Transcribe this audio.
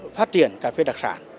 phát triển cà phê đặc sản